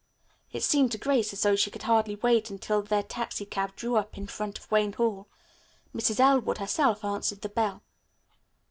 It seemed to Grace as though she could hardly wait until their taxicab drew up in front of Wayne Hall. Mrs. Elwood herself answered the bell.